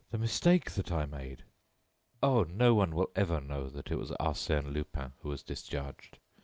The mistake that I made " "Oh! no one will ever know that it was Arsène Lupin who was discharged.